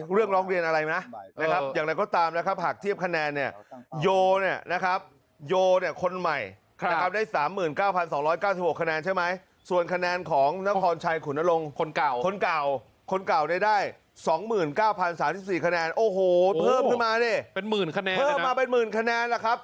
เพิ่มมาเป็นหมื่นคะแนนแล้วครับ